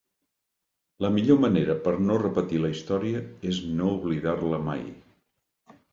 La millor manera per no repetir la història és no oblidar-la mai.